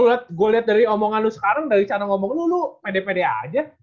gue liat dari omongan lu sekarang dari cara ngomong lu lu pede pede aja